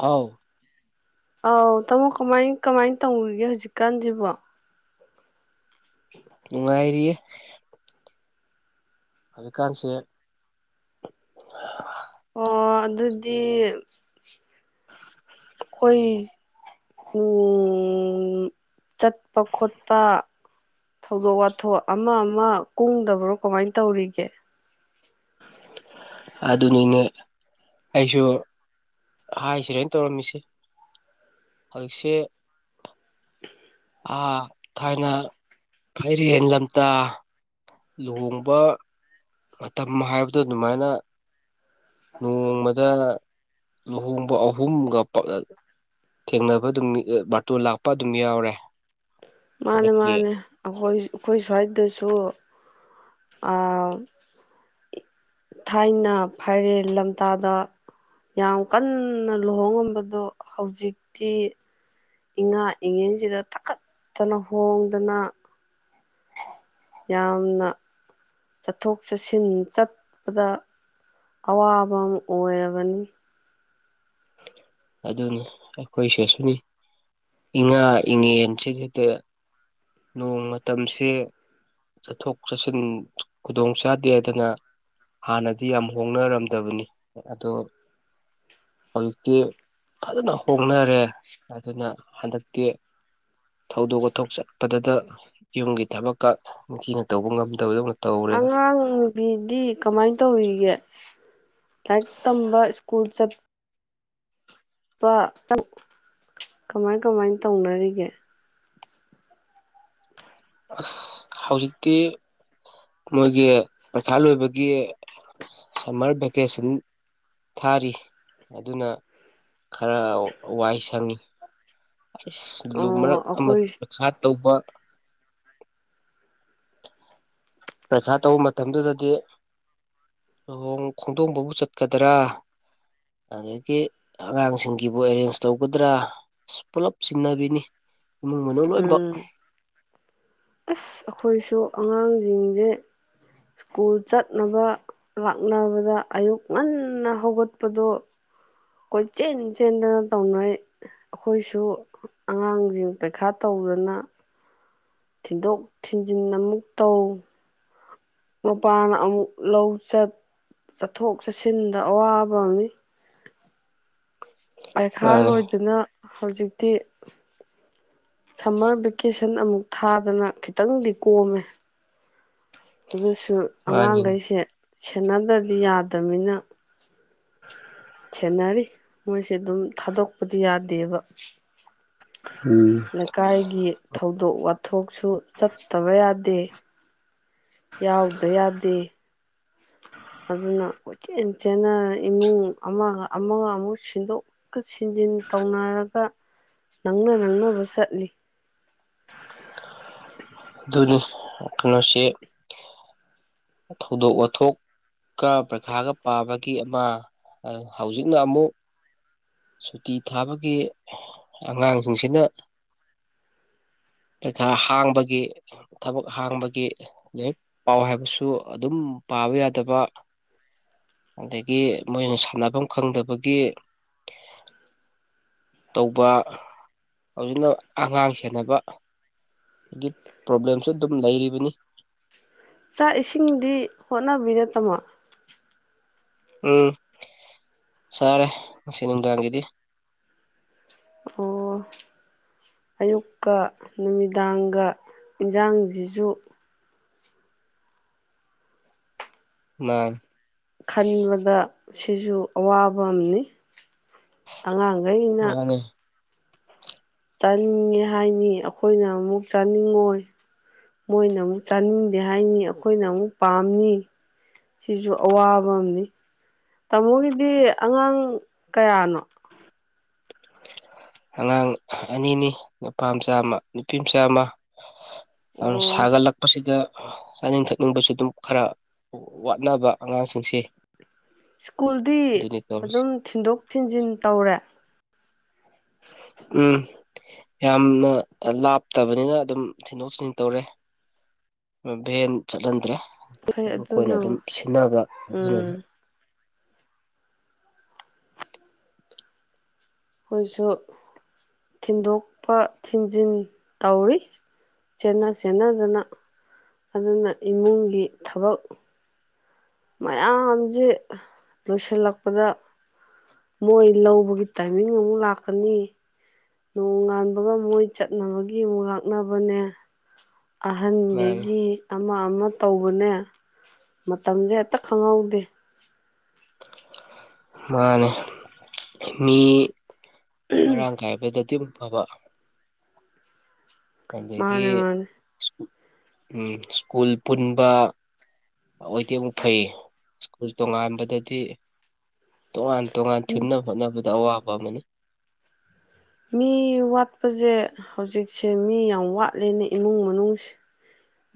ꯍꯥꯎ ꯑꯥꯎ ꯇꯥꯃꯣ ꯀꯃꯥꯏ ꯀꯃꯥꯏꯅ ꯇꯧꯔꯤꯒꯦ ꯍꯧꯖꯤꯛꯀꯥꯟꯁꯤꯕꯣ ꯅꯨꯡꯉꯥꯏꯔꯤꯌꯦ ꯍꯧꯖꯤꯛꯀꯥꯟꯁꯦ ꯑꯣ ꯑꯗꯨꯗꯤ [unintelligible] ꯑꯩꯈꯣꯏ ꯆꯠꯄ ꯈꯣꯠꯄ ꯊꯧꯗꯣꯛ ꯋꯥꯊꯣꯛ ꯑꯃ ꯑꯃ ꯀꯨꯡꯗꯕ꯭ꯔꯣ ꯀꯃꯥꯏꯅ ꯇꯧꯔꯤꯒꯦ ꯑꯗꯨꯅꯤꯅꯦ ꯑꯩꯁꯨ ꯍꯥꯏꯁꯤꯔꯅ ꯇꯧꯔꯝꯃꯤꯁꯤ ꯍꯧꯖꯤꯛꯁꯦ ꯑꯥ ꯊꯥꯏꯅ ꯐꯩꯔꯦꯟ ꯂꯝꯇꯥ ꯂꯨꯍꯣꯡꯕ ꯃꯇꯝ ꯍꯥꯏꯕꯗꯣ ꯑꯗꯨꯃꯥꯏꯅ ꯅꯣꯡꯃꯗ ꯂꯨꯍꯣꯡꯕ ꯑꯍꯨꯝꯒ ꯊꯦꯡꯅꯕ ꯑꯗꯨꯝ ꯃꯇꯇꯣꯟ ꯂꯥꯛꯄ ꯑꯗꯨꯝ ꯌꯥꯎꯔꯦ ꯃꯥꯅꯦ ꯍꯟꯗꯛꯀꯤ ꯃꯥꯅꯦ ꯑꯩꯈꯣꯏ ꯑꯩꯈꯣꯏ ꯁ꯭ꯋꯥꯏꯗꯁꯨ ꯊꯥꯏꯅ ꯐꯥꯏꯔꯦꯟ ꯂꯝꯇꯥꯗ ꯌꯥꯝ ꯀꯟꯅ ꯂꯨꯍꯣꯡꯉꯝꯕꯗꯣ ꯍꯧꯖꯤꯛꯇꯤ ꯏꯉꯥ ꯏꯉꯦꯟꯁꯤꯗ ꯊꯛꯈꯠꯇꯅ ꯍꯣꯡꯗꯅ ꯌꯥꯝꯅ ꯆꯠꯊꯣꯛ ꯆꯠꯁꯤꯟ ꯆꯠꯄꯗ ꯑꯋꯥꯕ ꯑꯃ ꯑꯣꯏꯔꯕꯅꯤ ꯑꯗꯨꯅꯤ ꯑꯩꯈꯣꯏꯁꯦꯁꯨꯅꯤ ꯏꯉꯥ ꯏꯉꯦꯟꯁꯤꯒꯤꯗ ꯅꯣꯡ ꯃꯇꯝꯁꯦ ꯆꯠꯊꯣꯛ ꯆꯠꯁꯤꯟ ꯈꯨꯗꯣꯡ ꯆꯥꯗꯦ ꯑꯗꯅ ꯍꯥꯟꯅꯗꯤ ꯌꯥꯝ ꯍꯣꯡꯅꯔꯝꯗꯕꯅꯤ ꯑꯗꯣ ꯍꯧꯖꯤꯛꯇꯤ ꯐꯖꯅ ꯍꯣꯡꯅꯔꯦ ꯑꯗꯨꯅ ꯍꯟꯗꯛꯇꯤ ꯊꯧꯗꯣꯛ ꯋꯥꯊꯣꯛꯆꯠ ꯄꯗꯗ ꯌꯨꯝꯒꯤ ꯊꯕꯛꯀ ꯅꯤꯡꯊꯤꯅ ꯇꯧꯕ ꯉꯝꯗꯕꯗꯧꯅ ꯇꯧꯔꯦꯗ ꯑꯉꯥꯡ ꯅꯨꯕꯤꯗꯤ ꯀꯃꯥꯏꯟ ꯇꯧꯔꯤꯒꯦ ꯂꯥꯏꯔꯤꯛ ꯇꯝꯕ ꯁ꯭ꯀꯨꯜ ꯆꯠ ꯄꯥꯇꯪ ꯀꯃꯥꯏ ꯀꯃꯥꯏ ꯇꯧꯅꯔꯤꯒꯦ ꯑꯁ ꯍꯧꯖꯤꯛꯇꯤ ꯃꯣꯏꯒꯤ ꯄꯩꯈꯥ ꯂꯣꯏꯕꯒꯤ ꯁꯝꯃꯔ ꯚꯦꯀꯦꯁꯟ ꯊꯥꯔꯤ ꯑꯗꯨꯅ ꯈꯔ ꯋꯥꯏ ꯁꯪꯉꯤ ꯑꯁ ꯂꯨ ꯑꯣ ꯃꯔꯛ ꯑꯃ ꯑꯩꯈꯣꯏ ꯄꯩꯈꯥ ꯇꯧꯕ ꯄꯩꯈꯥ ꯇꯧ ꯃꯇꯝꯗꯨꯗꯗꯤ ꯂꯨꯍꯣꯡ ꯈꯣꯡꯗꯣꯡꯕꯕꯨ ꯆꯠꯀꯗ꯭ꯔꯥ ꯑꯗꯒꯤ ꯑꯉꯥꯡꯁꯤꯡꯒꯤꯕꯨ ꯑꯦꯔꯦꯟꯖ ꯇꯧꯒꯗ꯭ꯔꯥ ꯑ ꯄꯨꯜꯂꯞ ꯆꯤꯡꯅꯕꯤꯅꯤ ꯎꯝ ꯑꯁ ꯑꯈꯣꯏꯁꯨ ꯑꯉꯥꯡꯖꯤꯡꯖꯦ ꯁ꯭ꯀꯨꯜ ꯆꯠꯅꯕ ꯂꯥꯛꯅꯕꯗ ꯑꯌꯨꯛ ꯉꯟꯅ ꯍꯧꯒꯠꯄꯗꯣ ꯀꯣꯏꯆꯦꯟ ꯆꯦꯟꯗꯅ ꯇꯧꯅꯩ ꯑꯈꯣꯏꯁꯨ ꯑꯉꯥꯡꯁꯤꯡ ꯄꯩꯈꯥ ꯇꯧꯗꯅ ꯊꯤꯟꯗꯣꯛ ꯊꯤꯟꯖꯤꯟ ꯑꯃꯨꯛ ꯇꯧ ꯃꯄꯥꯅ ꯑꯃꯨꯛ ꯂꯧ ꯆꯠ ꯆꯠꯊꯣꯛ ꯆꯠꯁꯤꯟꯗ ꯑꯋꯥꯕ ꯑꯝꯃꯤ ꯄꯩꯈꯥ ꯃꯥꯅꯤ ꯂꯣꯏꯗꯅ ꯍꯧꯖꯤꯛꯇꯤ ꯁꯝꯃꯔ ꯚꯦꯀꯦꯁꯟ ꯑꯃꯨꯛ ꯊꯥꯗꯅ ꯈꯤꯇꯪꯗꯤ ꯀꯣꯝꯃꯦ ꯑꯗꯨꯁꯨ ꯋꯥꯅꯤꯅꯤ ꯑꯉꯥꯡꯒꯩꯁꯦ ꯁꯦꯟꯅꯗ꯭ꯔꯗꯤ ꯌꯥꯗꯃꯃꯤꯅ ꯁꯦꯟꯅꯔꯤ ꯃꯣꯏꯁꯦ ꯑꯗꯨꯝ ꯊꯥꯗꯣꯛꯄꯗꯤ ꯌꯥꯗꯦꯕ ꯎꯝ ꯂꯩꯀꯥꯏꯒꯤ ꯊꯧ ꯗꯣꯛ ꯋꯥꯊꯣꯛꯁꯨ ꯆꯠꯇꯕ ꯌꯥꯗꯦ ꯌꯥꯎꯗ ꯌꯥꯗꯦ ꯑꯗꯨꯅ ꯀꯣꯏꯆꯦꯟ ꯆꯦꯟꯅ ꯏꯃꯨꯡ ꯑꯃꯒ ꯑꯃꯒ ꯑꯃꯨꯛ ꯁꯤꯟꯗꯣꯛꯀ ꯁꯤꯟꯖꯤꯟ ꯇꯧꯅꯔꯒ ꯅꯪꯅ ꯅꯪꯅꯕ ꯆꯠꯂꯤ ꯑꯗꯨꯅꯤ ꯀꯩꯅꯣꯁꯦ ꯊꯧꯗꯣꯛ ꯋꯥꯊꯣꯛꯀ ꯄꯔ꯭ꯈꯥꯒ ꯄꯥꯕꯒꯤ ꯑꯃ ꯍꯧꯖꯤꯛꯅ ꯑꯃꯨꯛ ꯁꯨꯇꯤ ꯊꯥꯕꯒꯤ ꯑꯉꯥꯡꯁꯤꯡꯁꯤꯅ ꯄꯩꯈꯥ ꯍꯥꯡꯕꯒꯤ ꯊꯕꯛ ꯍꯥꯡꯕꯒꯤ ꯂꯥꯏꯔꯤꯛ ꯄꯥꯎ ꯍꯥꯏꯕꯁꯨ ꯑꯗꯨꯝ ꯄꯥꯕ ꯌꯥꯗꯕ ꯑꯗꯒꯤ ꯃꯣꯏꯅ ꯁꯥꯟꯅꯐꯝ ꯈꯪꯗꯕꯒꯤ ꯇꯧꯕ ꯍꯧꯖꯤꯛꯅ ꯑꯉꯥꯡ ꯁꯦꯟꯅꯕ ꯒꯤ ꯄ꯭ꯔꯣꯕ꯭ꯂꯦꯝꯁꯨ ꯑꯗꯨꯝ ꯂꯩꯔꯤꯕꯅꯤ ꯆꯥꯛ ꯏꯁꯤꯡꯗꯤ ꯍꯣꯠꯅꯕꯤꯔꯦ ꯇꯃꯣ ꯎꯝ ꯆꯥꯔꯦ ꯉꯁꯤ ꯅꯨꯡꯗꯥꯡꯒꯤꯗꯤ ꯑꯣ ꯑꯌꯨꯛꯀ ꯅꯨꯃꯤꯗꯥꯡꯒ ꯏꯟꯖꯥꯡꯖꯤꯖꯨ ꯃꯥ ꯈꯟꯕꯗv ꯁꯤꯁꯨ ꯑꯋꯥꯕ ꯑꯝꯅꯤ ꯑꯉꯥꯡꯒꯩꯅ ꯃꯥꯅꯦ ꯆꯥꯅꯤꯡꯉꯦ ꯍꯥꯏꯅꯤ ꯑꯈꯣꯏꯅ ꯑꯃꯨꯛ ꯆꯥꯅꯤꯡꯉꯣꯏ ꯃꯣꯏꯅ ꯑꯃꯨꯛ ꯆꯥꯅꯤꯡꯗꯦ ꯍꯥꯏꯅꯤ ꯑꯈꯣꯏꯅ ꯑꯃꯨꯛ ꯄꯥꯝꯅꯤ ꯁꯤꯁꯨ ꯑꯋꯥꯕ ꯑꯝꯅꯤ ꯇꯥꯃꯣꯒꯤꯗꯤ ꯑꯉꯥꯡ ꯀꯌꯥꯅꯣ ꯑꯉꯥꯡ ꯑꯅꯤꯅꯤ ꯅꯨꯄꯥꯝꯆꯥ ꯑꯃ ꯅꯨꯄꯤꯝꯆꯥ ꯑꯃ ꯑꯣ ꯁꯒꯔ ꯂꯥꯛꯄꯁꯤꯗ ꯆꯥꯅꯤꯡ ꯊꯛꯅꯤꯡꯕꯁꯨ ꯑꯗꯨꯝ ꯈꯔ ꯋꯥꯠꯅꯕ ꯑꯉꯥꯡꯁꯤꯡꯁꯦ ꯁ꯭ꯀꯨꯜꯗꯤ ꯑꯗꯨꯅꯤ ꯇꯧꯔꯤꯁꯦ ꯑꯗꯨꯝ ꯊꯤꯟꯗꯣꯛ ꯊꯤꯟꯖꯤꯟ ꯇꯧꯔꯦ ꯎꯝ ꯌꯥꯝꯅ ꯂꯥꯞꯇꯕꯅꯤꯅ ꯑꯗꯨꯝ ꯊꯤꯟꯗꯣꯛ ꯊꯤꯟꯖꯤꯟ ꯇꯧꯔꯦ ꯚꯦꯟ ꯆꯠꯍꯟꯗ꯭ꯔꯦ ꯐꯩ ꯑꯗꯨꯝ ꯑꯩꯣꯏꯅ ꯑꯗꯨꯝ ꯑꯗꯨꯅꯕꯨ ꯁꯤꯟꯅꯕ ꯑꯗꯨꯅꯅꯤ ꯎꯝ ꯑꯩꯈꯣꯏꯁꯨ ꯊꯤꯟꯗꯣꯛꯄ ꯊꯤꯟꯖꯤꯟ ꯇꯧꯔꯤ ꯆꯦꯅ ꯆꯦꯟꯅꯗꯅ ꯑꯗꯨꯅ ꯏꯃꯨꯡꯒꯤ ꯊꯕꯛ ꯃꯌꯥꯝꯁꯦ ꯂꯣꯏꯁꯤꯜꯂꯛꯄꯗ ꯃꯣꯏ ꯂꯧꯕꯒꯤ ꯇꯥꯏꯃꯤꯡ ꯑꯃꯨꯛ ꯂꯥꯛꯀꯅꯤ ꯅꯣꯡꯉꯥꯟꯕꯒ ꯃꯣꯏ ꯆꯠꯅꯕꯒꯤ ꯑꯃꯨꯛ ꯂꯥꯛꯅꯕꯅꯦ ꯃꯥꯅꯤ ꯑꯍꯟꯗꯒꯤ ꯑꯃ ꯑꯃ ꯇꯧꯕꯅꯦ ꯃꯇꯝꯁꯦ ꯍꯦꯛꯇ ꯈꯪꯍꯧꯗꯦ ꯃꯥꯅꯦ ꯃꯤ ꯃꯔꯥꯡ ꯀꯥꯏꯕꯗ ꯑꯗꯨꯝ ꯊꯕ ꯃꯥꯅꯦ ꯑꯗꯒꯤꯨꯜ ꯃꯥꯅꯦ ꯎ ꯁ꯭ꯀꯨꯜ ꯄꯨꯟꯕ ꯑꯣꯏꯗꯤ ꯑꯃꯨꯛ ꯐꯩ ꯁ꯭ꯀꯨꯜ ꯇꯣꯉꯥꯟꯕꯗꯗꯤ ꯇꯣꯉꯥꯟ ꯇꯣꯉꯥꯟ ꯊꯤꯟꯅ ꯍꯣꯠꯅꯕꯗ ꯑꯋꯥꯄꯥ ꯑꯃꯅꯤꯅꯤ ꯃꯤ ꯋꯥꯠꯄꯁꯦ ꯍꯧꯖꯤꯛꯁꯦ ꯃꯤ ꯌꯥꯝ ꯋꯥꯠꯂꯦꯅ ꯏꯃꯨꯡ ꯃꯅꯨꯡ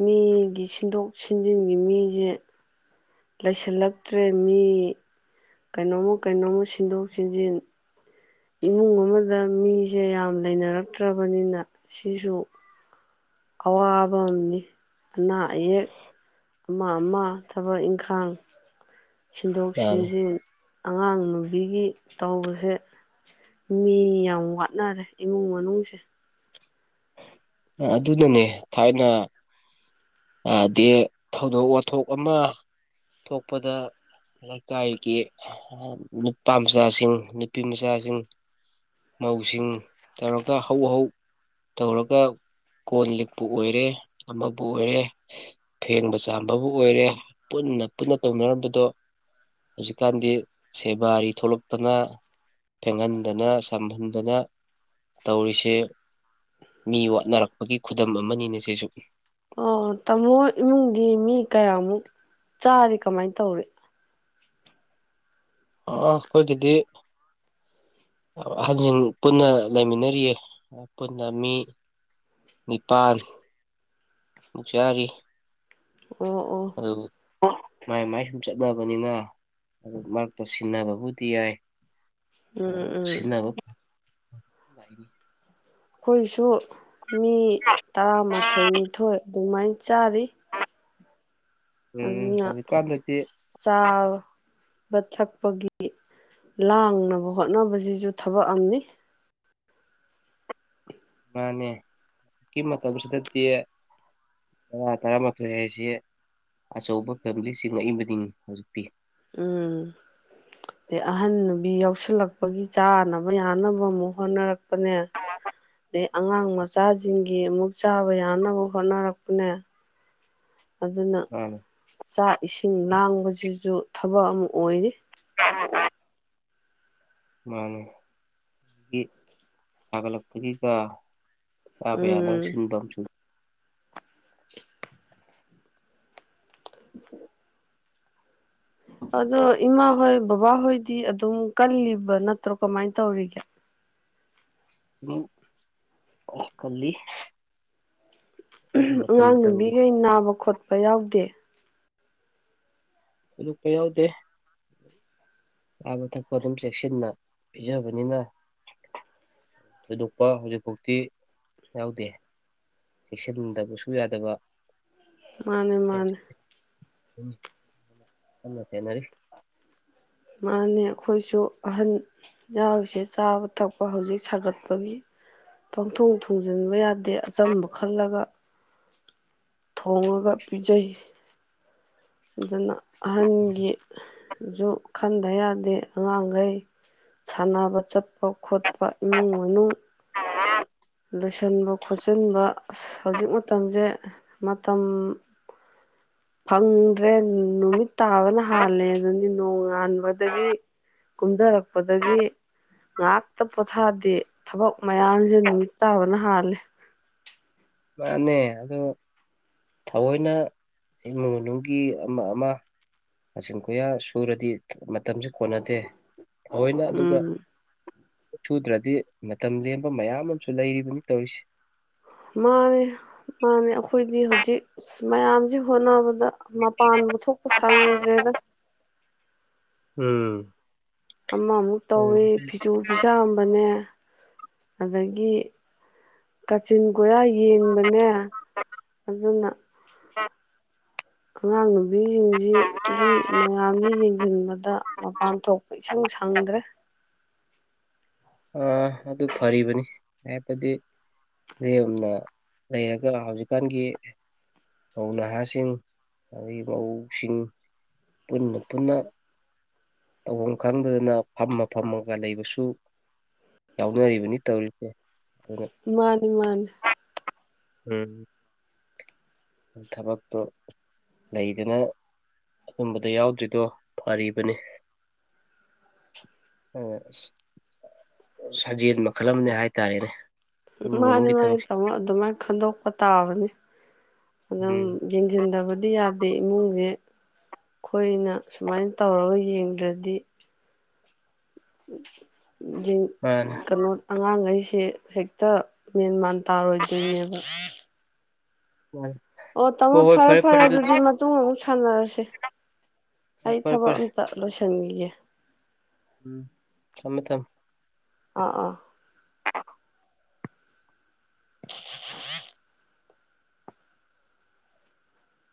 ꯃꯤꯒꯤ ꯁꯤꯟꯗꯣꯛ ꯁꯤꯟꯖꯤꯟꯒꯤ ꯃꯤꯁꯦ ꯂꯩꯁꯤꯜꯂꯛꯇ꯭ꯔꯦ ꯃꯤ ꯀꯩꯅꯣꯝꯃ ꯀꯩꯅꯣꯝꯃ ꯁꯤꯟꯗꯣꯛ ꯁꯤꯟꯖꯤꯟ ꯏꯃꯨꯡ ꯑꯃꯗ ꯃꯤꯁꯦ ꯌꯥꯝ ꯂꯩꯅꯔꯛꯇ꯭ꯔꯕꯅꯤꯅ ꯁꯤꯁꯨ ꯑꯋꯥꯕ ꯑꯃꯅꯤ ꯑꯅꯥ ꯑꯌꯦꯛ ꯑꯃ ꯑꯃ ꯊꯕꯛ ꯏꯪꯈꯥꯡ ꯁꯤꯟꯗꯣꯛ ꯃꯥꯅꯤ ꯁꯤꯟꯖꯤꯟ ꯑꯉꯥꯡ ꯅꯨꯨꯕꯤꯒꯤ ꯇꯧꯕꯁꯦ ꯃꯤ ꯌꯥꯝ ꯋꯥꯠꯅꯔꯦ ꯏꯃꯨꯡ ꯃꯅꯨꯡꯁꯦ ꯑꯗꯨꯅꯅꯦ ꯊꯥꯏꯅ ꯑꯗꯤ ꯊꯧꯗꯣꯛ ꯋꯥꯊꯣꯛ ꯑꯃ ꯊꯣꯛꯄꯗ ꯂꯩꯀꯥꯏꯒꯤ ꯅꯨꯄꯥ ꯃꯆꯥꯁꯤꯡ ꯅꯨꯄꯤ ꯃꯆꯥꯁꯤꯡ ꯃꯧꯁꯤꯡ ꯇꯧꯔꯒ ꯍꯧ ꯍꯧ ꯇꯧꯔꯒ ꯀꯣꯟ ꯂꯤꯛꯄꯨ ꯑꯣꯏꯔꯦ ꯑꯃꯕꯨ ꯑꯣꯏꯔꯦ ꯐꯦꯡꯕ ꯆꯥꯝꯕꯕꯨ ꯑꯣꯏꯔꯦ ꯄꯨꯟꯅ ꯄꯨꯟꯅ ꯇꯧꯅꯔꯝꯕꯗꯣ ꯍꯧꯖꯤꯛꯀꯥꯟꯗꯤ ꯁꯦꯕꯥꯔꯤ ꯊꯣꯛꯂꯛꯇꯅ ꯐꯦꯡꯍꯟꯗꯅ ꯁꯝꯍꯟꯗꯅ ꯇꯧꯔꯤꯁꯦ ꯃꯤ ꯋꯥꯠꯅꯔꯛꯄꯒꯤ ꯈꯨꯗꯝ ꯑꯃꯅꯤꯅꯦ ꯁꯤꯁꯨ ꯑꯣ ꯇꯥꯃꯣ ꯏꯃꯨꯡꯗꯤ ꯃꯤ ꯀꯌꯥꯃꯨꯛ ꯆꯥꯔꯤ ꯀꯃꯥꯏꯅ ꯇꯧꯔꯤ ꯑ ꯑꯩꯈꯣꯏꯒꯤꯗꯤ ꯑꯍꯟꯁꯤꯡ ꯄꯨꯟꯅ ꯂꯩꯃꯤꯟꯅꯔꯤꯌꯦ ꯄꯨꯟꯅ ꯃꯤ ꯅꯤꯄꯥꯥꯟ ꯃꯨꯛ ꯆꯔꯤ ꯑꯣ ꯑꯣ ꯃꯥꯏ ꯃꯥꯏ ꯁꯨꯝ ꯆꯠꯅꯕꯅꯤꯅ ꯑꯗꯨ ꯃꯔꯛꯇ ꯁꯤꯟꯅꯕꯕꯨꯗꯤ ꯌꯥꯏ ꯎꯝ ꯑ ꯎꯝ ꯁꯤꯅꯒꯣ ꯅꯤ ꯑꯩꯈꯣꯏꯁꯨ ꯃꯤ ꯇꯔꯥꯃꯥꯊꯣꯏ ꯅꯤꯊꯣꯏ ꯑꯗꯨꯃꯥꯏꯅ ꯆꯥꯔꯤ ꯎꯝ ꯑꯗꯨꯅ ꯍꯧꯖꯤꯛꯀꯥꯟꯗꯗꯤ ꯆꯥꯎ ꯕ ꯊꯛꯄꯒꯤ ꯂꯥꯡꯅꯕ ꯍꯣꯠꯅꯕꯁꯤꯁꯨ ꯊꯕꯛ ꯑꯃꯅꯤ ꯃꯥꯅꯦ ꯍꯧꯖꯤꯛꯀꯤ ꯃꯇꯝꯁꯤꯗꯗꯤ ꯇꯔꯥ ꯇꯔꯥꯃꯥꯊꯣꯏ ꯍꯥꯏꯁꯤ ꯑꯆꯧꯕ ꯐꯦꯃꯤꯂꯤꯁꯤꯡꯉꯛꯏꯕꯅꯤ ꯍꯧꯖꯤꯛꯇꯤ ꯎꯝ ꯑ ꯑꯍꯟ ꯅꯨꯕꯤ ꯌꯥꯎꯁꯜꯂꯛꯄꯒꯤ ꯆꯥꯅꯕ ꯌꯥꯅꯕ ꯑꯃꯨꯛ ꯍꯣꯠꯅꯔꯛꯄ ꯄꯅ ꯑꯉꯥꯡ ꯃꯆꯥꯁꯤꯡꯒꯤ ꯑꯃꯨꯛ ꯆꯥꯕ ꯌꯥꯅꯕ ꯍꯣꯠꯅꯔꯛꯄꯅꯦ ꯑꯗꯨꯅ ꯃꯥꯅꯦ ꯆꯥꯛ ꯏꯁꯤꯡ ꯂꯥꯡꯕꯁꯤꯁꯨ ꯊꯕꯛ ꯑꯃ ꯑꯣꯏꯔꯤ ꯑ ꯃꯥꯅꯦ ꯁꯥꯒꯠꯂꯛꯄꯔꯤ ꯀ ꯆꯕ ꯌꯥꯅ ꯎꯝ ꯁꯤꯟꯝꯁꯨ ꯑꯗꯣ ꯏꯃꯥ ꯍꯣꯏ ꯕꯕꯥꯍꯣꯏꯗꯤ ꯑꯗꯨꯝ ꯀꯜꯂꯤꯕ ꯅꯠꯇ꯭ꯔꯣ ꯀꯃꯥꯏꯅ ꯇꯧꯔꯤꯒꯦ ꯎꯝ [unintelligible] ꯀꯜꯂꯤ ꯑꯗꯨ ꯃꯇꯝ ꯑꯉꯥꯡ ꯃꯇꯝꯒꯤ ꯅꯨꯕꯤꯈꯩ ꯅꯥꯕ ꯈꯣꯠꯄ ꯌꯥꯎꯗꯦ ꯊꯣꯏꯗꯣꯛꯄ ꯌꯥꯎꯗꯦ ꯆꯥꯕ ꯊꯛꯄ ꯑꯗꯨꯝ ꯆꯦꯛꯁꯤꯟꯅ ꯄꯤꯖꯕꯅꯤꯅ ꯊꯣꯏꯗꯣꯛꯄ ꯍꯧꯖꯤꯛꯐꯥꯎꯇꯤ ꯌꯥꯎꯗꯦ ꯆꯦꯛꯁꯤꯟꯗꯕꯁꯨ ꯌꯥꯗꯕ ꯃꯥꯅꯦ ꯃꯥꯅꯦ ꯎꯝ ꯍꯁꯦꯅꯔꯤ ꯃꯥꯅꯦ ꯑꯩꯈꯣꯏꯁꯨ ꯑꯍꯟ ꯌꯥꯎꯔꯤꯁꯦ ꯆꯥꯕ ꯊꯛꯄ ꯍꯧꯖꯤꯛ ꯁꯥꯒꯠꯄꯒꯤ ꯄꯪꯊꯣꯡ ꯊꯣꯡꯖꯤꯟꯕ ꯌꯥꯗꯦ ꯑꯗꯩ ꯑꯆꯝꯕ ꯈꯜꯂꯒ ꯊꯣꯡꯉꯒ ꯄꯤꯖꯩ ꯑꯗꯨꯅ ꯑꯍꯟꯒꯤꯁꯨꯨ ꯈꯟꯗ ꯌꯥꯗꯦ ꯑꯉꯥꯡꯈꯩ ꯁꯥꯟꯅꯕ ꯆꯠꯄ ꯈꯣꯠꯄ ꯏꯃꯨꯡ ꯃꯅꯨꯡ ꯑ ꯂꯣꯏꯁꯤꯟꯕ ꯈꯣꯠꯆꯤꯟꯕ ꯑ ꯍꯧꯖꯤꯛ ꯃꯇꯝꯁꯦ ꯃꯇꯝ ꯐꯪꯗ꯭ꯔꯦ ꯅꯨꯃꯤꯠ ꯇꯥꯕꯅ ꯍꯥꯜꯂꯦ ꯑꯗꯨꯗꯤ ꯅꯣꯡꯉꯥꯟꯕꯗꯒꯤ ꯀꯨꯝꯊꯔꯛꯄꯗꯒꯤ ꯉꯥꯛꯇ ꯄꯣꯊꯥꯗꯦ ꯊꯕꯛ ꯃꯌꯥꯝꯁꯦ ꯅꯨꯃꯤꯠ ꯇꯥꯕꯅ ꯍꯥꯜꯂꯦ ꯃꯥꯅꯦ ꯑꯗꯣ ꯊꯑꯣꯏꯅ ꯏꯃꯨꯡ ꯃꯅꯨꯡꯒꯤ ꯑꯃ ꯑꯃ ꯀꯆꯤꯟ ꯀꯣꯏꯌꯥ ꯁꯨꯔꯗꯤ ꯃꯇꯝꯁꯨ ꯀꯣꯟꯅꯗꯦ ꯑꯣꯏꯅ ꯑꯗꯨꯒ ꯎꯝ ꯁꯨꯗ꯭ꯔꯗꯤ ꯃꯇꯝ ꯂꯦꯡꯕ ꯃꯌꯥꯝ ꯑꯃꯁꯨ ꯂꯩꯔꯤꯕꯅꯤ ꯇꯧꯔꯤꯁꯦ ꯃꯥꯅꯦ ꯃꯥꯅꯦ ꯑꯩꯈꯣꯏꯗꯤ ꯍꯧꯖꯤꯛ ꯃꯌꯥꯝꯁꯤ ꯍꯣꯠꯅꯕꯗ ꯃꯄꯥꯟ ꯄꯨ ꯊꯣꯛꯄ ꯁꯪꯗ꯭ꯔꯦꯗ ꯎꯝ ꯑꯃꯃꯨꯛ ꯎꯝ ꯇꯧꯋ ꯐꯤꯁꯨ ꯐꯤꯁꯥꯝꯕꯅꯦ ꯑꯗꯒꯤ ꯀꯥꯆꯤꯟ ꯒꯣꯌꯥ ꯌꯦꯡꯕꯅꯦ ꯑꯗꯨꯅ ꯑ ꯥꯕꯤꯁꯤꯡꯁꯤꯒꯤ ꯃꯌꯥꯝꯁꯤ ꯌꯦꯡꯁꯤꯟꯕꯗ ꯃꯄꯥꯟ ꯊꯣꯛꯄ ꯏꯁꯪ ꯁꯪꯗ꯭ꯔꯦ ꯑꯗꯨ ꯐꯔꯤꯕꯅꯤ ꯍꯥꯏꯕꯗꯤ ꯂꯅ ꯂꯩꯔꯒ ꯍꯧꯖꯤꯛꯀꯥꯟꯒꯤ ꯃꯧ ꯅꯍꯥꯁꯤꯡ ꯑꯗꯨꯗꯒꯤ ꯃꯧꯁꯤꯡ ꯄꯨꯟꯅ ꯄꯨꯟꯅ ꯇꯧꯐꯝ ꯈꯪꯗꯗꯅ ꯐꯝꯃ ꯐꯝꯃꯒ ꯂꯩꯕꯁꯨ ꯌꯥꯎꯅꯔꯤꯕꯅꯤ ꯇꯧꯔꯤꯁꯦ ꯑꯗꯨꯅ ꯃꯥꯅꯤ ꯃꯥꯅꯤ ꯎꯝ ꯊꯕꯛꯇꯣ ꯂꯩꯗꯅ ꯑꯗꯨꯝꯕꯗ ꯌꯥꯎꯗ꯭ꯔꯤꯗꯣ ꯐꯔꯤꯕꯅꯤ ꯁꯥꯖꯦꯜ ꯃꯈꯜ ꯑꯃꯅꯦ ꯍꯥꯏꯇꯥꯔꯦꯅꯦ ꯏꯃꯨꯡ ꯃꯥꯅꯤ ꯃꯅꯨꯡꯒꯤ ꯃꯥꯅꯤ ꯊꯕꯛꯁꯦ ꯇꯥꯃꯣ ꯑꯗꯨꯃꯥꯏꯅ ꯈꯟꯗꯣꯛꯄ ꯇꯥꯕꯅꯤ ꯑꯗꯨꯝ ꯎꯝ ꯌꯦꯡꯁꯤꯟꯗꯕꯗꯤ ꯌꯥꯗꯦ ꯏꯃꯨꯡ ꯑ ꯑꯩꯈꯣꯏꯅ ꯁꯨꯃꯥꯏꯅ ꯇꯧꯔꯒ ꯌꯦꯡꯗ꯭ꯔꯗꯤ ꯎꯝ ꯃꯥꯅꯦ ꯀꯩꯅꯣ ꯑꯉꯥꯡꯈꯩ ꯁꯤ ꯍꯦꯛꯇ ꯃꯦꯟ ꯃꯥꯟ ꯇꯥꯔꯣꯏꯗꯣꯏꯅꯦꯕ ꯃꯥꯅꯦ ꯑꯣ ꯇꯥꯃꯣ ꯐꯔꯦ ꯐꯔꯦ ꯑꯗꯨꯗꯤ ꯃꯇꯨꯡ ꯑꯃꯨꯛ ꯁꯥꯟꯅꯔꯁꯦ ꯍꯣꯏ ꯑꯩ ꯐꯔꯦ ꯊꯕꯛ ꯐꯔꯦ ꯑꯝꯇ ꯂꯣꯏꯁꯤꯦ ꯆꯪꯒꯤꯌꯦ ꯎꯝ ꯆꯃꯦ ꯊꯝ ꯑꯥ ꯑꯥ ꯑ